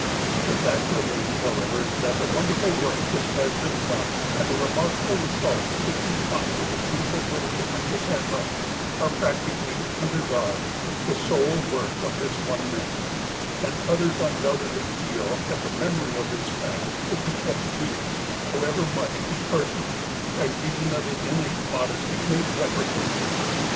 The fact remains, however, that the wonderful work which has been done, and the remarkable results which we find in the beautiful village of Metlakahtla, are practically, under God, the sole work of this one man, and others undoubtedly feel that the memory of this fact should be kept green, however much he personally, by reason of his innate modesty, may deprecate it.